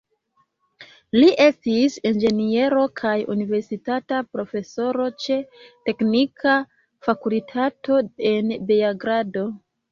Li estis inĝeniero, kaj universitata profesoro ĉe teknika fakultato en Beogrado.